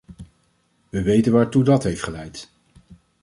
We weten waartoe dat heeft geleid.